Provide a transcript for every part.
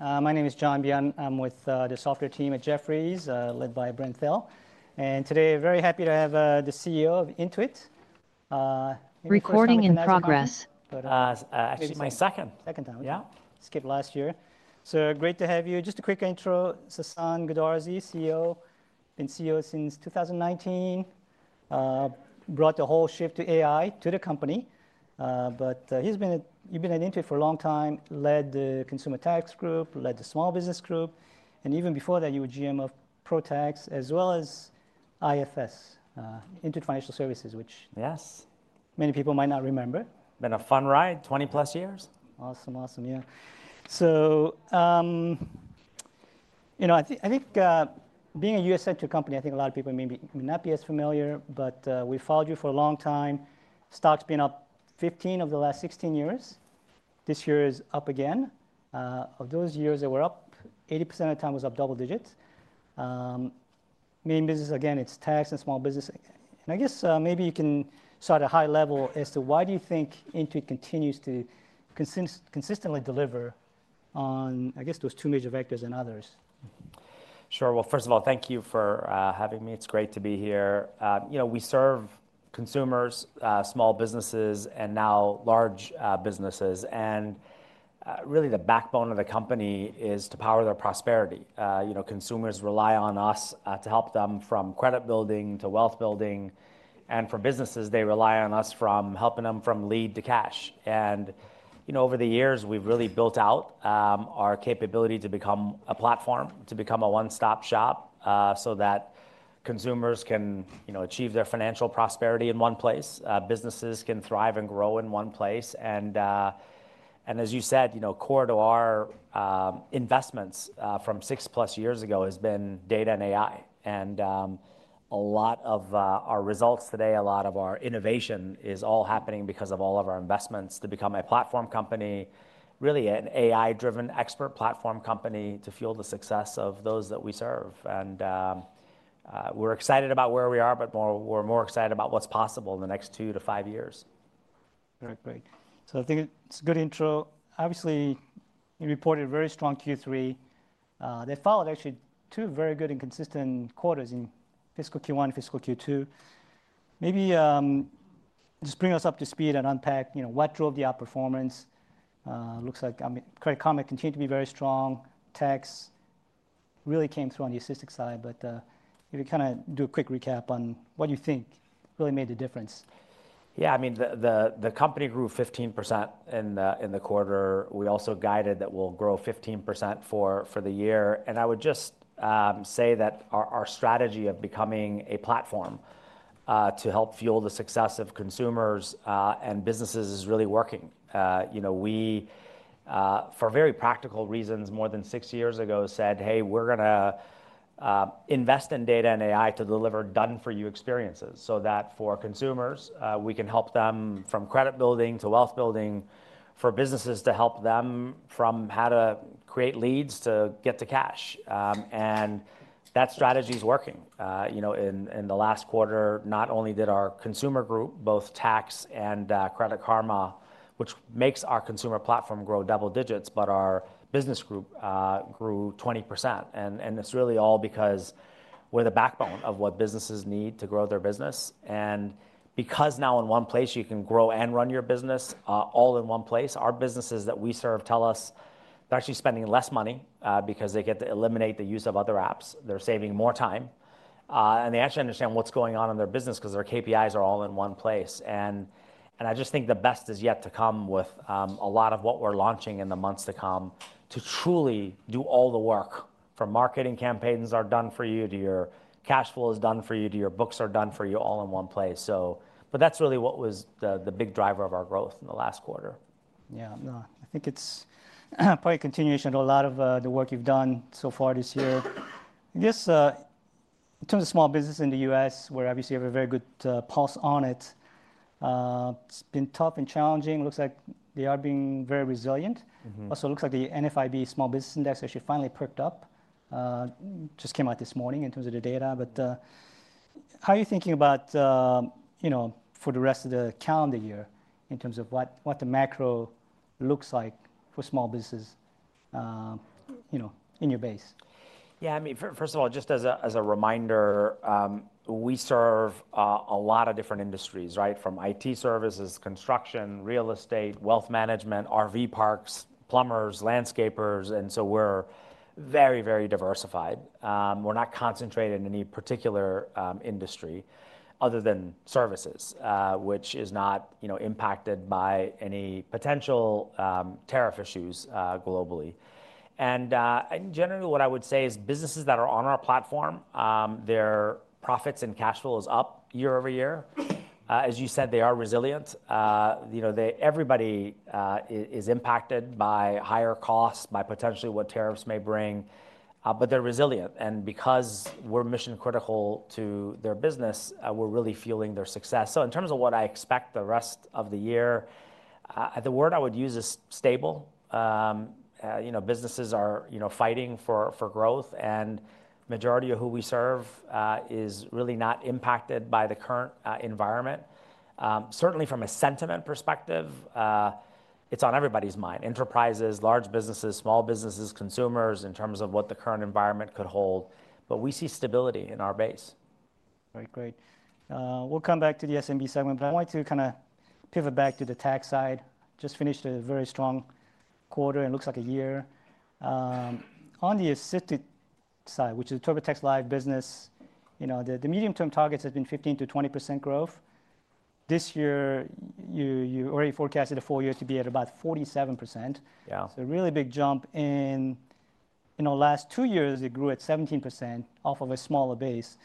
My name is John Byun. I'm with the software team at Jefferies, led by Brent Thill. Today, I'm very happy to have the CEO of Intuit. Recording in progress. Actually, my second. Second time. Yeah. Skipped last year. Great to have you. Just a quick intro. Sasan Goodarzi, CEO. Been CEO since 2019. Brought the whole shift to AI to the company. You have been at Intuit for a long time, led the consumer tax group, led the small business group. Even before that, you were GM of ProTax as well as IFS, Intuit Financial Services, which many people might not remember. Been a fun ride, 20+ years. Awesome, awesome, yeah. I think being a U.S.-centric company, I think a lot of people may not be as familiar, but we followed you for a long time. Stock's been up 15 of the last 16 years. This year is up again. Of those years that were up, 80% of the time was up double digits. Main business, again, it's tax and small business. I guess maybe you can start at a high level as to why do you think Intuit continues to consistently deliver on, I guess, those two major vectors and others? Sure. First of all, thank you for having me. It's great to be here. We serve consumers, small businesses, and now large businesses. Really, the backbone of the company is to power their prosperity. Consumers rely on us to help them from credit building to wealth building. For businesses, they rely on us from helping them from lead to cash. Over the years, we've really built out our capability to become a platform, to become a one-stop shop so that consumers can achieve their financial prosperity in one place, businesses can thrive and grow in one place. As you said, core to our investments from six plus years ago has been data and AI. A lot of our results today, a lot of our innovation is all happening because of all of our investments to become a platform company, really an AI-driven expert platform company to fuel the success of those that we serve. We're excited about where we are, but we're more excited about what's possible in the next two to five years. All right, great. I think it's a good intro. Obviously, you reported very strong Q3. They followed, actually, two very good and consistent quarters in fiscal Q1 and fiscal Q2. Maybe just bring us up to speed and unpack what drove the outperformance. It looks like Credit Karma continues to be very strong. Tax really came through on the assistive side. Maybe kind of do a quick recap on what you think really made the difference. Yeah, I mean, the company grew 15% in the quarter. We also guided that we'll grow 15% for the year. I would just say that our strategy of becoming a platform to help fuel the success of consumers and businesses is really working. We, for very practical reasons, more than six years ago said, hey, we're going to invest in data and AI to deliver done-for-you experiences so that for consumers, we can help them from credit building to wealth building, for businesses to help them from how to create leads to get to cash. That strategy is working. In the last quarter, not only did our consumer group, both tax and Credit Karma, which makes our consumer platform, grow double digits, our business group grew 20%. It's really all because we're the backbone of what businesses need to grow their business. Because now in one place, you can grow and run your business all in one place, our businesses that we serve tell us they're actually spending less money because they get to eliminate the use of other apps. They're saving more time. They actually understand what's going on in their business because their KPIs are all in one place. I just think the best is yet to come with a lot of what we're launching in the months to come to truly do all the work from marketing campaigns are done for you to your cash flow is done for you to your books are done for you all in one place. That's really what was the big driver of our growth in the last quarter. Yeah, no, I think it's probably a continuation of a lot of the work you've done so far this year. I guess in terms of small business in the U.S., where obviously you have a very good pulse on it, it's been tough and challenging. Looks like they are being very resilient. Also, it looks like the NFIB Small Business Index actually finally perked up. Just came out this morning in terms of the data. How are you thinking about for the rest of the calendar year in terms of what the macro looks like for small businesses in your base? Yeah, I mean, first of all, just as a reminder, we serve a lot of different industries, right, from IT services, construction, real estate, wealth management, RV parks, plumbers, landscapers. We are very, very diversified. We are not concentrated in any particular industry other than services, which is not impacted by any potential tariff issues globally. Generally, what I would say is businesses that are on our platform, their profits and cash flow is up year over year. As you said, they are resilient. Everybody is impacted by higher costs, by potentially what tariffs may bring. They are resilient. Because we are mission critical to their business, we are really fueling their success. In terms of what I expect the rest of the year, the word I would use is stable. Businesses are fighting for growth. The majority of who we serve is really not impacted by the current environment. Certainly, from a sentiment perspective, it's on everybody's mind, enterprises, large businesses, small businesses, consumers in terms of what the current environment could hold. We see stability in our base. All right, great. We'll come back to the S&B segment, but I want to kind of pivot back to the tax side. Just finished a very strong quarter. It looks like a year. On the assistive side, which is TurboTax Live Business, the medium-term targets have been 15% to 20% growth. This year, you already forecasted a full year to be at about 47%. So a really big jump in the last two years, it grew at 17% off of a smaller base.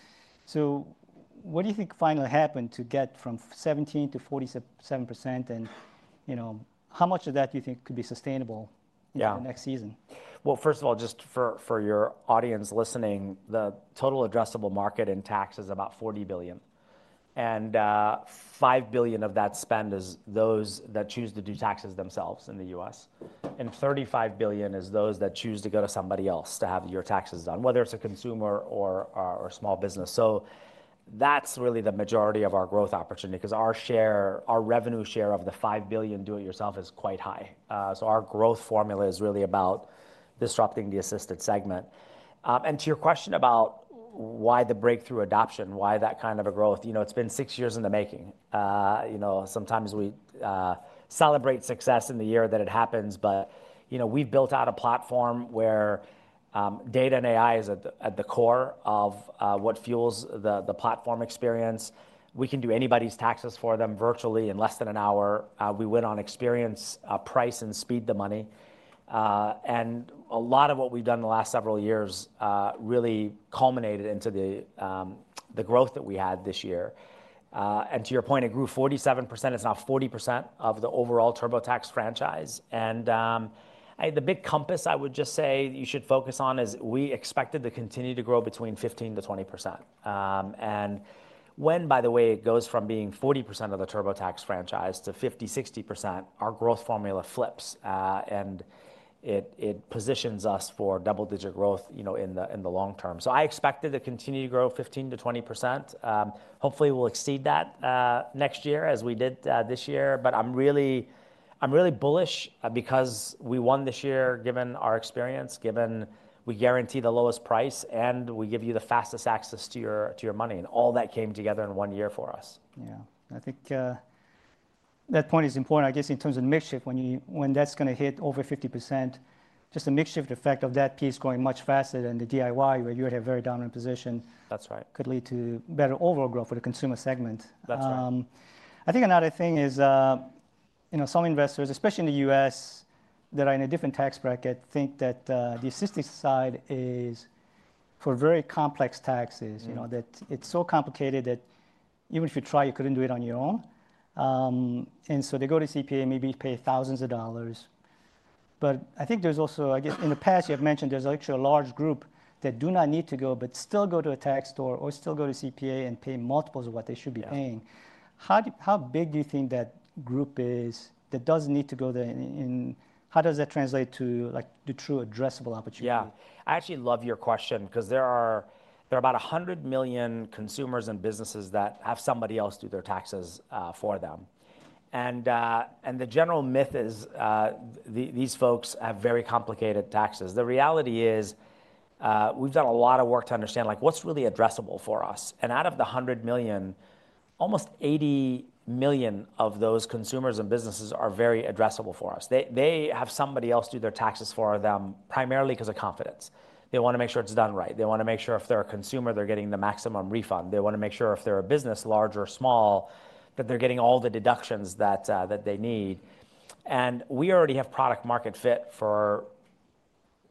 What do you think finally happened to get from 17% to 47%? And how much of that do you think could be sustainable in the next season? First of all, just for your audience listening, the total addressable market in tax is about $40 billion. And $5 billion of that spend is those that choose to do taxes themselves in the U.S. and $35 billion is those that choose to go to somebody else to have your taxes done, whether it's a consumer or a small business. That is really the majority of our growth opportunity because our revenue share of the $5 billion do-it-yourself is quite high. Our growth formula is really about disrupting the assisted segment. To your question about why the breakthrough adoption, why that kind of a growth, it's been six years in the making. Sometimes we celebrate success in the year that it happens. We have built out a platform where data and AI is at the core of what fuels the platform experience. We can do anybody's taxes for them virtually in less than an hour. We went on experience, price, and speed the money. A lot of what we've done the last several years really culminated into the growth that we had this year. To your point, it grew 47%. It is now 40% of the overall TurboTax franchise. The big compass I would just say you should focus on is we expect it to continue to grow between 15%-20%. When it goes from being 40% of the TurboTax franchise to 50%, 60%, our growth formula flips. It positions us for double-digit growth in the long term. I expect it to continue to grow 15% to 20%. Hopefully, we'll exceed that next year as we did this year. I'm really bullish because we won this year given our experience, given we guarantee the lowest price, and we give you the fastest access to your money. All that came together in one year for us. Yeah. I think that point is important, I guess, in terms of the mix shift when that's going to hit over 50%. Just the mix shift effect of that piece going much faster than the DIY, where you had a very dominant position. That's right. Could lead to better overall growth for the consumer segment. That's right. I think another thing is some investors, especially in the U.S. that are in a different tax bracket, think that the assisted side is for very complex taxes, that it's so complicated that even if you try, you couldn't do it on your own. They go to a CPA, maybe pay thousands of dollars. I think there's also, I guess, in the past, you have mentioned there's actually a large group that do not need to go, but still go to a tax store or still go to a CPA and pay multiples of what they should be paying. How big do you think that group is that doesn't need to go there? How does that translate to the true addressable opportunity? Yeah. I actually love your question because there are about 100 million consumers and businesses that have somebody else do their taxes for them. The general myth is these folks have very complicated taxes. The reality is we've done a lot of work to understand what's really addressable for us. Out of the 100 million, almost 80 million of those consumers and businesses are very addressable for us. They have somebody else do their taxes for them primarily because of confidence. They want to make sure it's done right. They want to make sure if they're a consumer, they're getting the maximum refund. They want to make sure if they're a business, large or small, that they're getting all the deductions that they need. We already have product-market fit for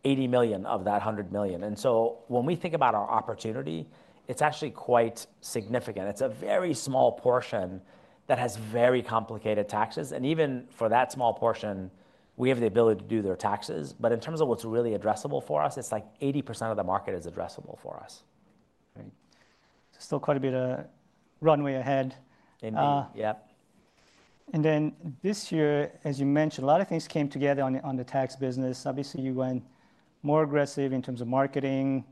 80 million of that 100 million. When we think about our opportunity, it's actually quite significant. It's a very small portion that has very complicated taxes. Even for that small portion, we have the ability to do their taxes. In terms of what's really addressable for us, it's like 80% of the market is addressable for us. Right. So still quite a bit of runway ahead. Indeed, yep. This year, as you mentioned, a lot of things came together on the tax business. Obviously, you went more aggressive in terms of marketing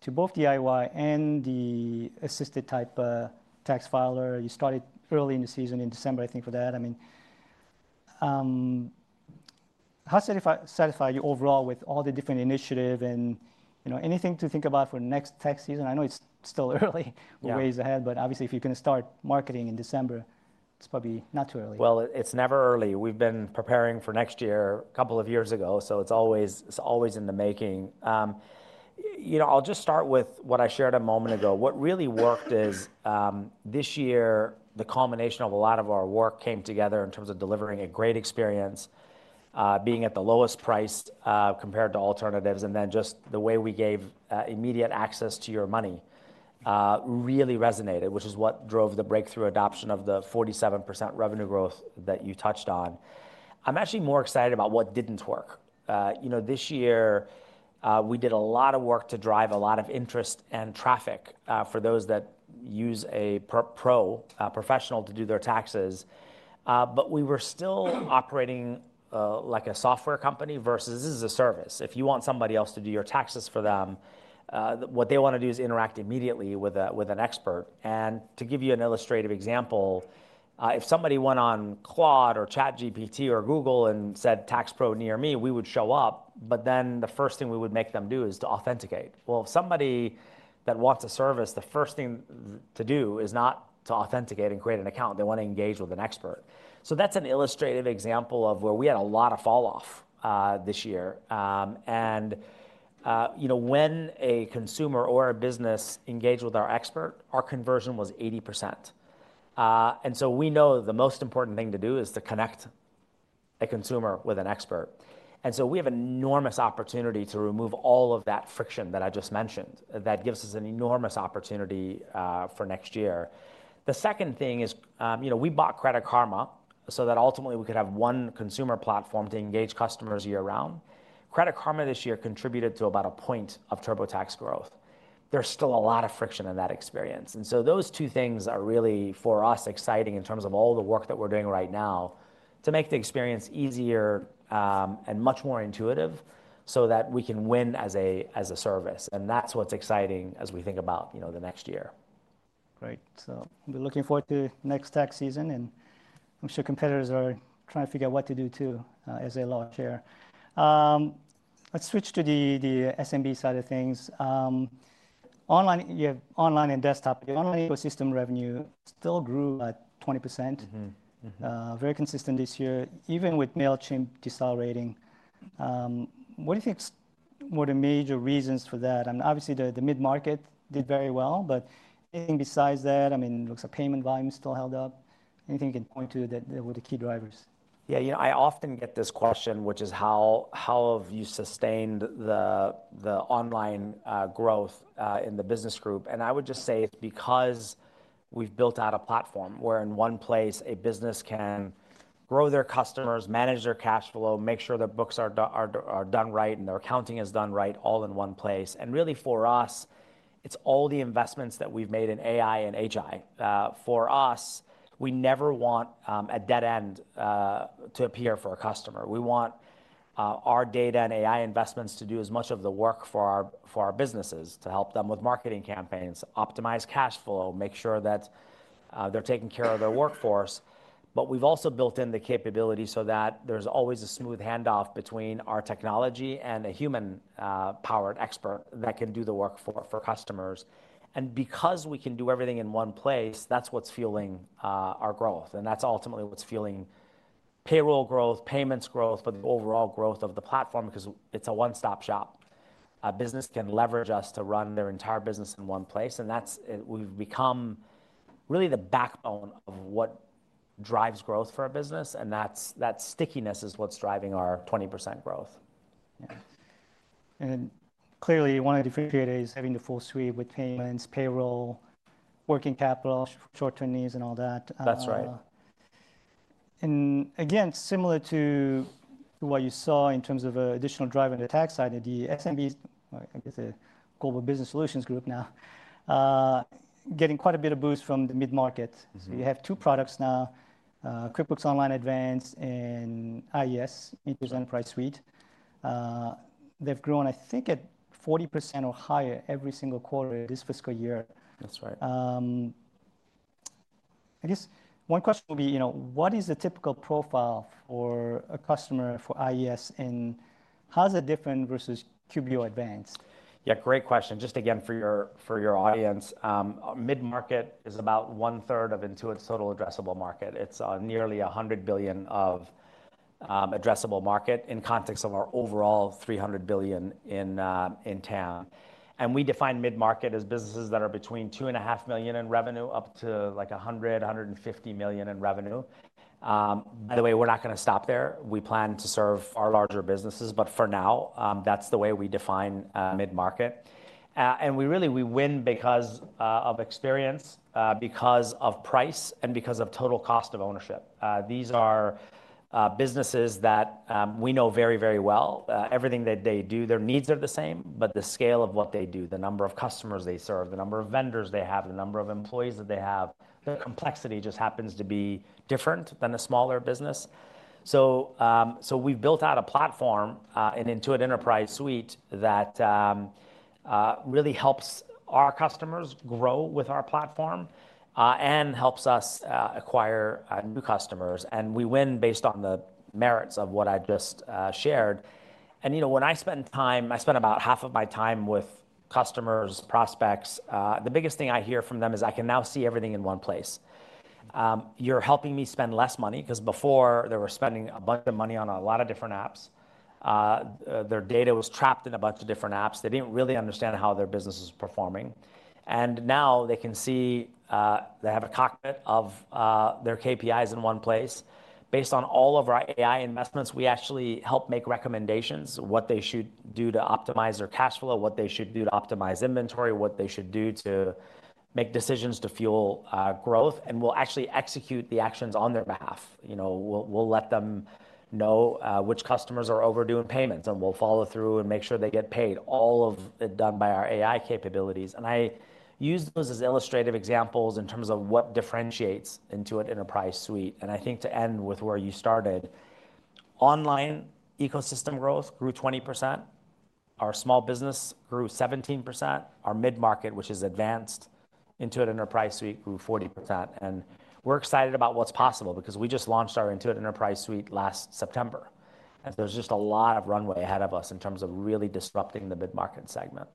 to both DIY and the assisted type tax filer. You started early in the season in December, I think, for that. I mean, how satisfied are you overall with all the different initiatives and anything to think about for next tax season? I know it's still early, ways ahead, but obviously, if you're going to start marketing in December, it's probably not too early. It's never early. We've been preparing for next year a couple of years ago. It is always in the making. I'll just start with what I shared a moment ago. What really worked is this year, the culmination of a lot of our work came together in terms of delivering a great experience, being at the lowest price compared to alternatives. Then just the way we gave immediate access to your money really resonated, which is what drove the breakthrough adoption of the 47% revenue growth that you touched on. I'm actually more excited about what didn't work. This year, we did a lot of work to drive a lot of interest and traffic for those that use a pro, professional to do their taxes. We were still operating like a software company versus this is a service. If you want somebody else to do your taxes for them, what they want to do is interact immediately with an expert. To give you an illustrative example, if somebody went on Claude or ChatGPT or Google and said, "Tax Pro, near me," we would show up. The first thing we would make them do is to authenticate. If somebody wants a service, the first thing to do is not to authenticate and create an account. They want to engage with an expert. That is an illustrative example of where we had a lot of falloff this year. When a consumer or a business engaged with our expert, our conversion was 80%. We know the most important thing to do is to connect a consumer with an expert. We have an enormous opportunity to remove all of that friction that I just mentioned that gives us an enormous opportunity for next year. The second thing is we bought Credit Karma so that ultimately we could have one consumer platform to engage customers year-round. Credit Karma this year contributed to about a point of TurboTax growth. There is still a lot of friction in that experience. Those two things are really for us exciting in terms of all the work that we are doing right now to make the experience easier and much more intuitive so that we can win as a service. That is what is exciting as we think about the next year. Great. We are looking forward to next tax season. I'm sure competitors are trying to figure out what to do too as they launch here. Let's switch to the S&B side of things. Online and desktop, the online ecosystem revenue still grew at 20%, very consistent this year, even with Mailchimp decelerating. What do you think were the major reasons for that? I mean, obviously, the mid-market did very well. Anything besides that? I mean, it looks like payment volume still held up. Anything you can point to that were the key drivers? Yeah. You know, I often get this question, which is how have you sustained the online growth in the business group? I would just say it's because we've built out a platform where in one place, a business can grow their customers, manage their cash flow, make sure their books are done right, and their accounting is done right all in one place. Really, for us, it's all the investments that we've made in AI and HI. For us, we never want a dead end to appear for a customer. We want our data and AI investments to do as much of the work for our businesses, to help them with marketing campaigns, optimize cash flow, make sure that they're taking care of their workforce. We have also built in the capability so that there is always a smooth handoff between our technology and a human-powered expert that can do the work for customers. Because we can do everything in one place, that is what is fueling our growth. That is ultimately what is fueling payroll growth, payments growth, and the overall growth of the platform because it is a one-stop shop. A business can leverage us to run their entire business in one place. We have become really the backbone of what drives growth for a business. That stickiness is what is driving our 20% growth. Yeah. Clearly, one of the criteria is having the full suite with payments, payroll, working capital, short-term needs, and all that. That's right. Again, similar to what you saw in terms of additional driving the tax side, the S&B, I guess, the Global Business Solutions Group now, getting quite a bit of boost from the mid-market. You have two products now, QuickBooks Online Advanced and IES, Intuit Enterprise Suite. They've grown, I think, at 40% or higher every single quarter this fiscal year. That's right. I guess one question will be, what is the typical profile for a customer for IES, and how is it different versus QBO Advanced? Yeah, great question. Just again, for your audience, mid-market is about one-third of Intuit's total addressable market. It's nearly $100 billion of addressable market in context of our overall $300 billion in TAM. We define mid-market as businesses that are between $2.5 million in revenue up to like $100-$150 million in revenue. By the way, we're not going to stop there. We plan to serve our larger businesses. For now, that's the way we define mid-market. We really win because of experience, because of price, and because of total cost of ownership. These are businesses that we know very, very well. Everything that they do, their needs are the same. The scale of what they do, the number of customers they serve, the number of vendors they have, the number of employees that they have, the complexity just happens to be different than a smaller business. We have built out a platform, an Intuit Enterprise Suite, that really helps our customers grow with our platform and helps us acquire new customers. We win based on the merits of what I just shared. When I spend time, I spend about half of my time with customers, prospects. The biggest thing I hear from them is I can now see everything in one place. You're helping me spend less money because before, they were spending a bunch of money on a lot of different apps. Their data was trapped in a bunch of different apps. They did not really understand how their business was performing. Now they can see they have a cockpit of their KPIs in one place. Based on all of our AI investments, we actually help make recommendations of what they should do to optimize their cash flow, what they should do to optimize inventory, what they should do to make decisions to fuel growth. We will actually execute the actions on their behalf. We will let them know which customers are overdue in payments. We will follow through and make sure they get paid, all of it done by our AI capabilities. I use those as illustrative examples in terms of what differentiates Intuit Enterprise Suite. I think to end with where you started, online ecosystem growth grew 20%. Our small business grew 17%. Our mid-market, which is advanced Intuit Enterprise Suite, grew 40%. We are excited about what is possible because we just launched our Intuit Enterprise Suite last September. There is just a lot of runway ahead of us in terms of really disrupting the mid-market segment.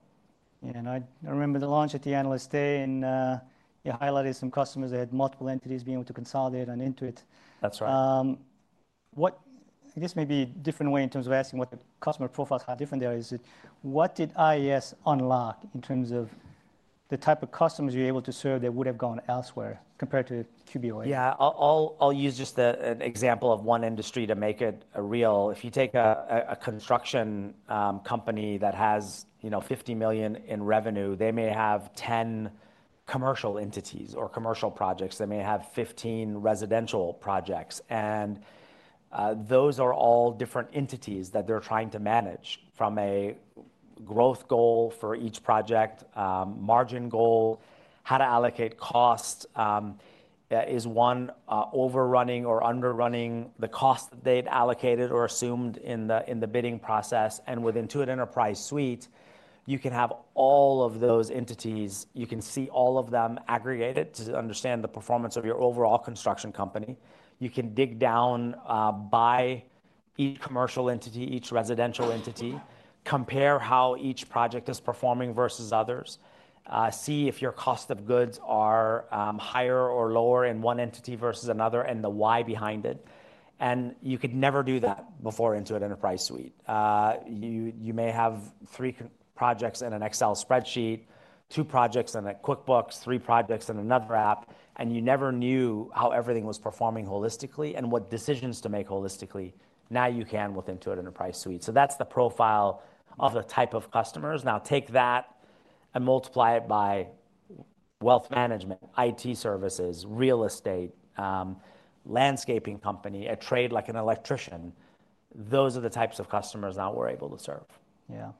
Yeah. I remember the launch at the Analyst Day, and you highlighted some customers that had multiple entities being able to consolidate on Intuit. That's right. What, I guess, maybe a different way in terms of asking what the customer profiles are different there is, what did IES unlock in terms of the type of customers you're able to serve that would have gone elsewhere compared to QBO? Yeah. I'll use just an example of one industry to make it real. If you take a construction company that has $50 million in revenue, they may have 10 commercial entities or commercial projects. They may have 15 residential projects. Those are all different entities that they're trying to manage from a growth goal for each project, margin goal, how to allocate cost is one, overrunning or underrunning the cost that they'd allocated or assumed in the bidding process. With Intuit Enterprise Suite, you can have all of those entities. You can see all of them aggregated to understand the performance of your overall construction company. You can dig down by each commercial entity, each residential entity, compare how each project is performing versus others, see if your cost of goods are higher or lower in one entity versus another, and the why behind it. You could never do that before Intuit Enterprise Suite. You may have three projects in an Excel spreadsheet, two projects in a QuickBooks, three projects in another app. You never knew how everything was performing holistically and what decisions to make holistically. Now you can with Intuit Enterprise Suite. That is the profile of the type of customers. Take that and multiply it by wealth management, IT services, real estate, landscaping company, a trade like an electrician. Those are the types of customers now we are able to serve. Yeah.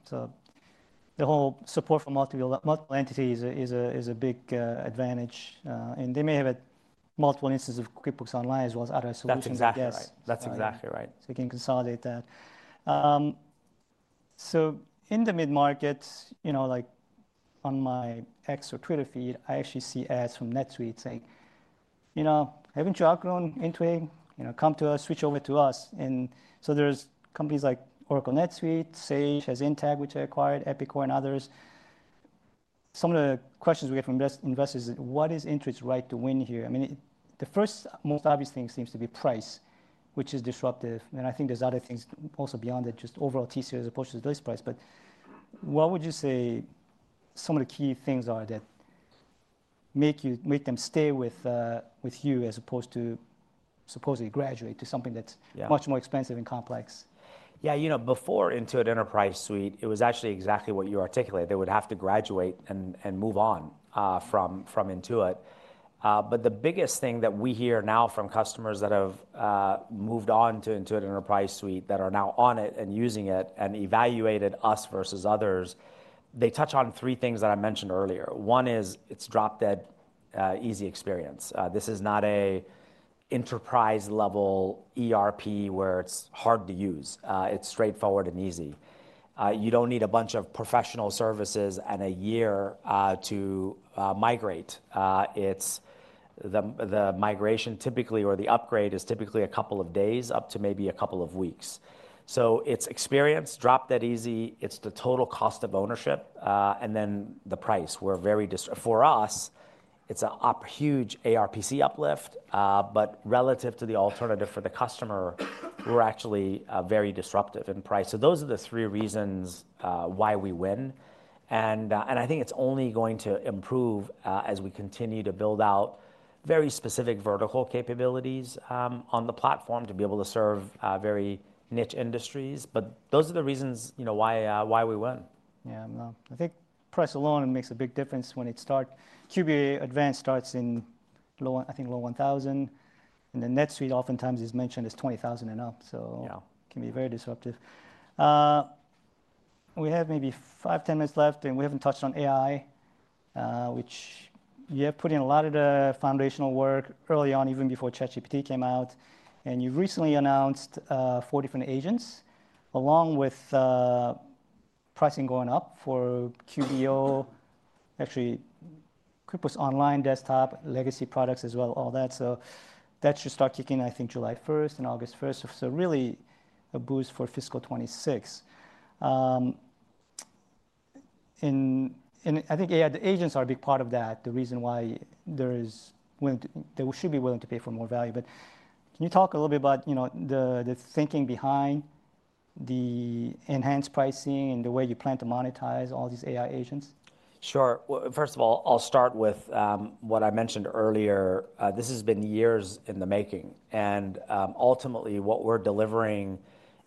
The whole support for multiple entities is a big advantage. They may have multiple instances of QuickBooks Online as well as other solutions. That's exactly right. You can consolidate that. In the mid-market, like on my X or Twitter feed, I actually see ads from NetSuite saying, you know, haven't you outgrown Intuit? Come to us, switch over to us. There are companies like Oracle NetSuite, Sage, Sage Intacct, which I acquired, Epicor, and others. Some of the questions we get from investors are, what is Intuit's right to win here? I mean, the first most obvious thing seems to be price, which is disruptive. I think there are other things also beyond that, just overall TCO as opposed to just price. What would you say some of the key things are that make them stay with you as opposed to supposedly graduate to something that's much more expensive and complex? Yeah. You know, before Intuit Enterprise Suite, it was actually exactly what you articulated. They would have to graduate and move on from Intuit. The biggest thing that we hear now from customers that have moved on to Intuit Enterprise Suite, that are now on it and using it and evaluated us versus others, they touch on three things that I mentioned earlier. One is it's drop-dead easy experience. This is not an enterprise-level ERP where it's hard to use. It's straightforward and easy. You don't need a bunch of professional services and a year to migrate. The migration typically, or the upgrade, is typically a couple of days up to maybe a couple of weeks. It is experience, drop-dead easy. It's the total cost of ownership. Then the price. For us, it's a huge ARPC uplift. Relative to the alternative for the customer, we're actually very disruptive in price. Those are the three reasons why we win. I think it's only going to improve as we continue to build out very specific vertical capabilities on the platform to be able to serve very niche industries. Those are the reasons why we win. Yeah. I think price alone makes a big difference when it starts. QBO Advanced starts in, I think, low $1,000. And the NetSuite oftentimes is mentioned as $20,000 and up. It can be very disruptive. We have maybe five, ten minutes left. We have not touched on AI, which you have put in a lot of the foundational work early on, even before ChatGPT came out. You recently announced four different agents, along with pricing going up for QBO, actually QuickBooks Online, desktop, legacy products as well, all that. That should start kicking, I think, July 1st and August 1st. It is really a boost for fiscal 2026. I think the agents are a big part of that, the reason why there is there should be willing to pay for more value. Can you talk a little bit about the thinking behind the enhanced pricing and the way you plan to monetize all these AI agents? Sure. First of all, I'll start with what I mentioned earlier. This has been years in the making. Ultimately, what we're delivering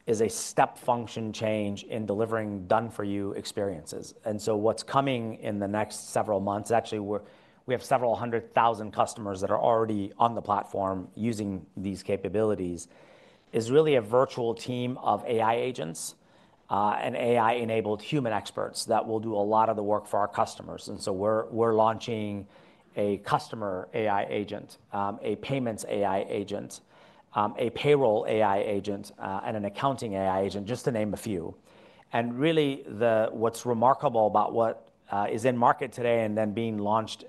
is a step function change in delivering done-for-you experiences. What's coming in the next several months, actually, we have several hundred thousand customers that are already on the platform using these capabilities, is really a virtual team of AI agents and AI-enabled human experts that will do a lot of the work for our customers. We're launching a customer AI agent, a payments AI agent, a payroll AI agent, and an accounting AI agent, just to name a few. What is remarkable about what is in market today and then being launched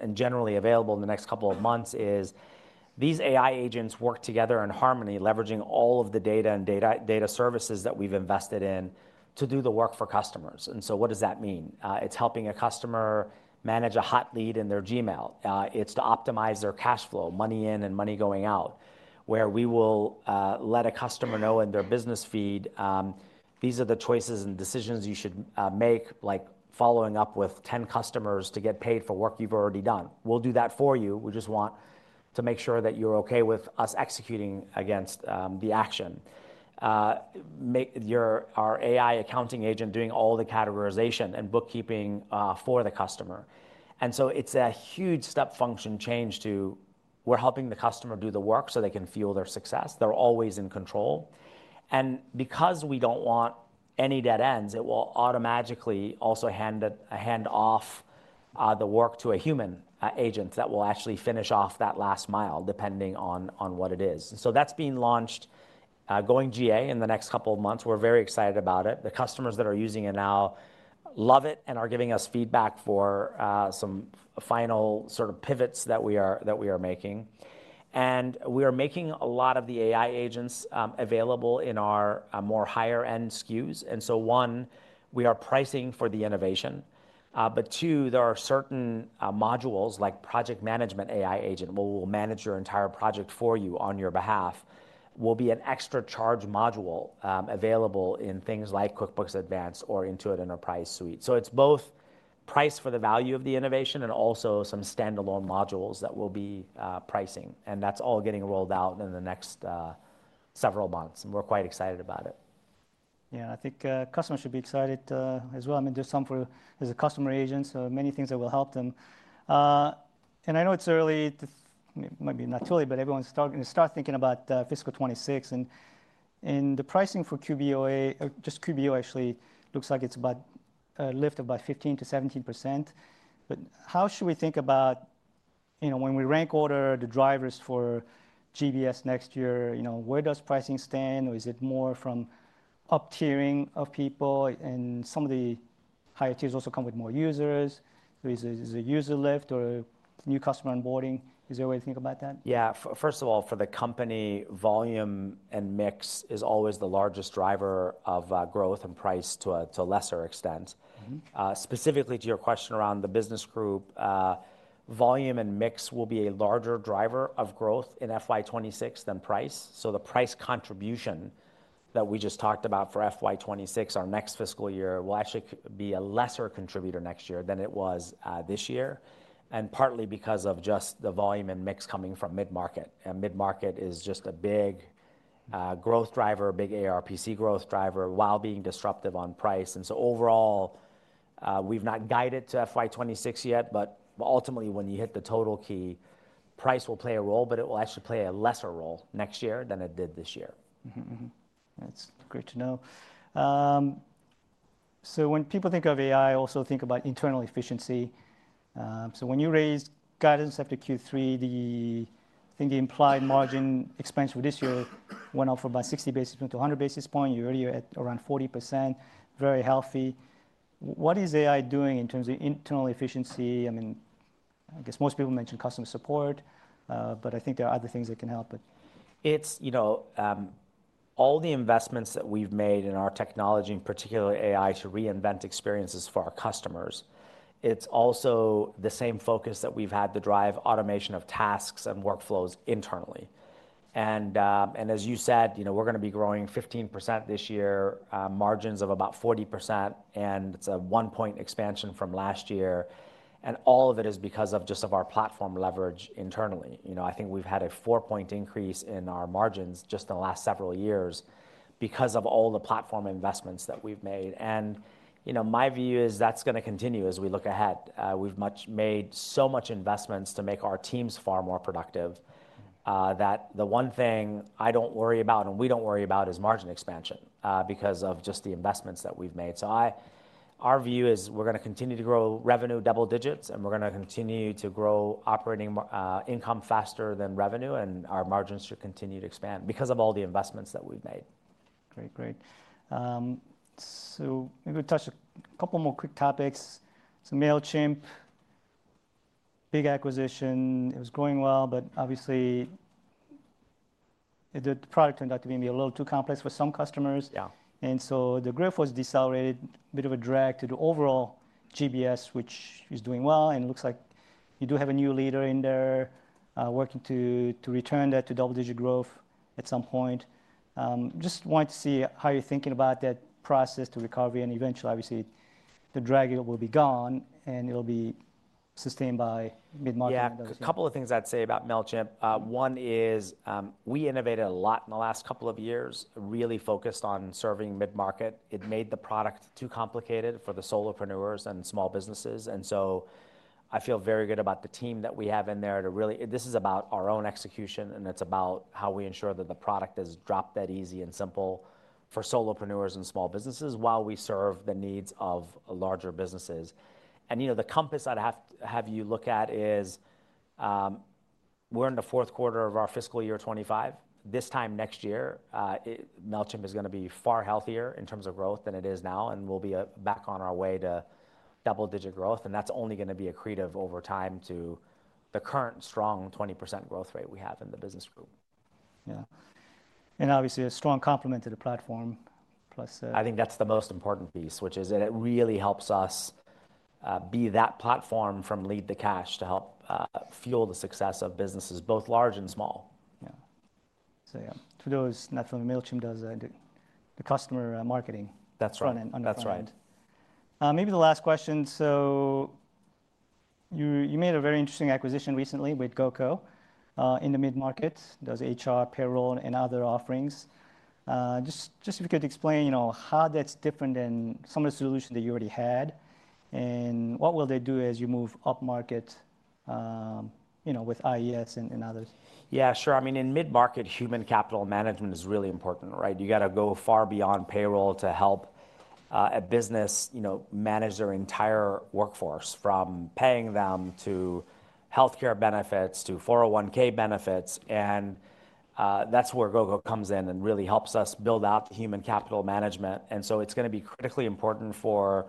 and generally available in the next couple of months is these AI agents work together in harmony, leveraging all of the data and data services that we've invested in to do the work for customers. What does that mean? It's helping a customer manage a hot lead in their Gmail. It's to optimize their cash flow, money in and money going out, where we will let a customer know in their business feed, these are the choices and decisions you should make, like following up with 10 customers to get paid for work you've already done. We'll do that for you. We just want to make sure that you're OK with us executing against the action. Our AI accounting agent doing all the categorization and bookkeeping for the customer. It is a huge step function change to we're helping the customer do the work so they can feel their success. They're always in control. Because we do not want any dead ends, it will automatically also hand off the work to a human agent that will actually finish off that last mile, depending on what it is. That is being launched, going GA in the next couple of months. We are very excited about it. The customers that are using it now love it and are giving us feedback for some final sort of pivots that we are making. We are making a lot of the AI agents available in our more higher-end SKUs. One, we are pricing for the innovation. There are certain modules, like project management AI agent, where we'll manage your entire project for you on your behalf, will be an extra charge module available in things like QuickBooks Online Advanced or Intuit Enterprise Suite. It is both price for the value of the innovation and also some standalone modules that we'll be pricing. That is all getting rolled out in the next several months. We are quite excited about it. Yeah. I think customers should be excited as well. I mean, there's some for as a customer agent, so many things that will help them. I know it's early, maybe not too early, but everyone's starting to start thinking about fiscal 2026. The pricing for QBOA, just QBO actually, looks like it's about a lift of about 15% to 17%. How should we think about when we rank order the drivers for GBS next year? Where does pricing stand? Is it more from up-tiering of people? Some of the higher tiers also come with more users. Is there a user lift or new customer onboarding? Is there a way to think about that? Yeah. First of all, for the company, volume and mix is always the largest driver of growth and price to a lesser extent. Specifically to your question around the business group, volume and mix will be a larger driver of growth in FY 2026 than price. The price contribution that we just talked about for FY 2026, our next fiscal year, will actually be a lesser contributor next year than it was this year, and partly because of just the volume and mix coming from mid-market. Mid-market is just a big growth driver, a big ARPC growth driver, while being disruptive on price. Overall, we've not guided to FY 2026 yet. Ultimately, when you hit the total key, price will play a role, but it will actually play a lesser role next year than it did this year. That's great to know. When people think of AI, also think about internal efficiency. When you raised guidance after Q3, I think the implied margin expense for this year went up from about 60 basis points to 100 basis points. You're already at around 40%, very healthy. What is AI doing in terms of internal efficiency? I mean, I guess most people mention customer support. I think there are other things that can help. It's all the investments that we've made in our technology, in particular AI, to reinvent experiences for our customers. It's also the same focus that we've had to drive automation of tasks and workflows internally. As you said, we're going to be growing 15% this year, margins of about 40%. It's a one-point expansion from last year. All of it is because of just our platform leverage internally. I think we've had a four-point increase in our margins just in the last several years because of all the platform investments that we've made. My view is that's going to continue as we look ahead. We've made so much investments to make our teams far more productive that the one thing I don't worry about and we don't worry about is margin expansion because of just the investments that we've made. Our view is we're going to continue to grow revenue double digits. We're going to continue to grow operating income faster than revenue. Our margins should continue to expand because of all the investments that we've made. Great. Great. Maybe we touch a couple more quick topics. Mailchimp, big acquisition. It was growing well. Obviously, the product turned out to be a little too complex for some customers. The growth was decelerated, a bit of a drag to the overall GBS, which is doing well. It looks like you do have a new leader in there working to return that to double-digit growth at some point. Just wanted to see how you're thinking about that process to recovery. Eventually, obviously, the drag will be gone. It'll be sustained by mid-market. Yeah. A couple of things I'd say about Mailchimp. One is we innovated a lot in the last couple of years, really focused on serving mid-market. It made the product too complicated for the solopreneurs and small businesses. I feel very good about the team that we have in there to really this is about our own execution. It is about how we ensure that the product is drop-dead easy and simple for solopreneurs and small businesses while we serve the needs of larger businesses. The compass I'd have you look at is we're in the fourth quarter of our fiscal year 2025. This time next year, Mailchimp is going to be far healthier in terms of growth than it is now. We'll be back on our way to double-digit growth. That's only going to be accretive over time to the current strong 20% growth rate we have in the business group. Yeah. Obviously, a strong complement to the platform, plus. I think that's the most important piece, which is that it really helps us be that platform from lead to cash to help fuel the success of businesses, both large and small. Yeah. Yeah, to those not from Mailchimp, the customer marketing. That's right. Maybe the last question. You made a very interesting acquisition recently with GoCo in the mid-market, those HR, payroll, and other offerings. Just if you could explain how that's different than some of the solutions that you already had. What will they do as you move up market with IES and others? Yeah. Sure. I mean, in mid-market, human capital management is really important. You've got to go far beyond payroll to help a business manage their entire workforce, from paying them to health care benefits to 401(k) benefits. That's where GoCo comes in and really helps us build out the human capital management. It is going to be critically important for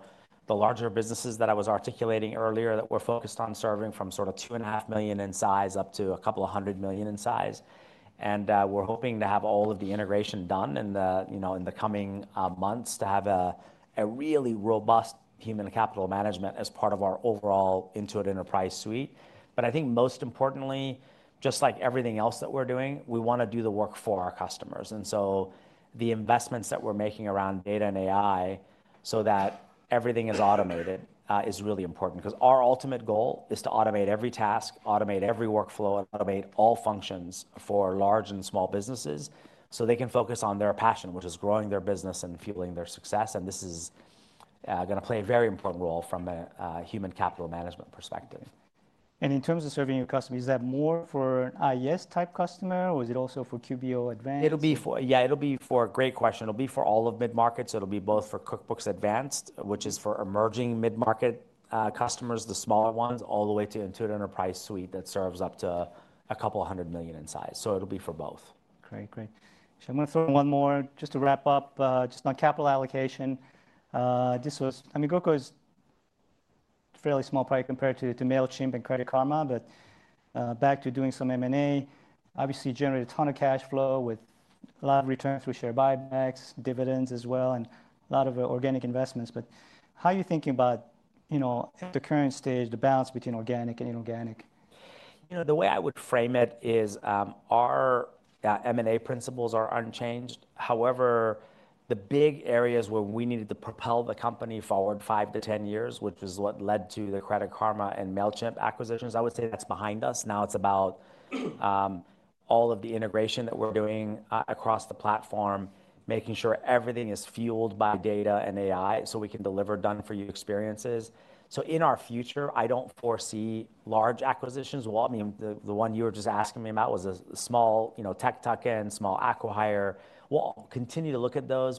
the larger businesses that I was articulating earlier that we're focused on serving from sort of $2.5 million in size up to a couple of hundred million in size. We're hoping to have all of the integration done in the coming months to have a really robust human capital management as part of our overall Intuit Enterprise Suite. I think most importantly, just like everything else that we're doing, we want to do the work for our customers. The investments that we're making around data and AI so that everything is automated is really important. Because our ultimate goal is to automate every task, automate every workflow, and automate all functions for large and small businesses so they can focus on their passion, which is growing their business and fueling their success. This is going to play a very important role from a human capital management perspective. In terms of serving your customers, is that more for an IES-type customer? Or is it also for QBO Advanced? Yeah. It'll be for a great question. It'll be for all of mid-market. It'll be both for QuickBooks Online Advanced, which is for emerging mid-market customers, the smaller ones, all the way to Intuit Enterprise Suite that serves up to a couple of hundred million in size. It'll be for both. Great. Great. I'm going to throw in one more just to wrap up, just on capital allocation. I mean, GoCo is a fairly small project compared to MailChimp and Credit Karma. Back to doing some M&A, obviously generated a ton of cash flow with a lot of returns through share buybacks, dividends as well, and a lot of organic investments. How are you thinking about, at the current stage, the balance between organic and inorganic? The way I would frame it is our M&A principles are unchanged. However, the big areas where we needed to propel the company forward 5 to 10 years, which is what led to the Credit Karma and Mailchimp acquisitions, I would say that's behind us. Now it's about all of the integration that we're doing across the platform, making sure everything is fueled by data and AI so we can deliver done-for-you experiences. In our future, I don't foresee large acquisitions. I mean, the one you were just asking me about was a small tech tuck-in, small acquihire. We'll continue to look at those.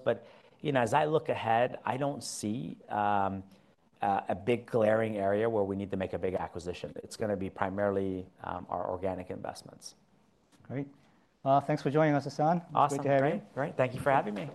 As I look ahead, I don't see a big glaring area where we need to make a big acquisition. It's going to be primarily our organic investments. Great. Thanks for joining us, Sasan. Great to have you. Awesome. Great. Thank you for having me.